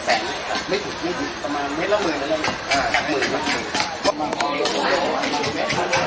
เพราะว่าไม่มีได้ท่าข้าวเป็นที่สุด